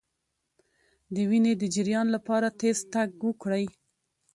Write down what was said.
د وینې د جریان لپاره تېز تګ وکړئ